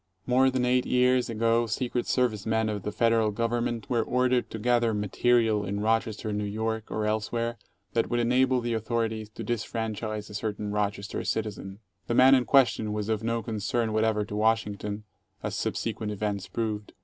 More than eight years ago Secret Service men of the Federal Government were ordered to gather "material" in Rochester, N. Y., or elsewhere, that would enable the authorities to disfranchise a certain Rochester citizen. The man in question was of no concern whatever to Washington, as subsequent events proved.